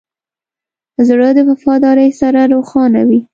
زړه د وفادارۍ سره روښانه وي.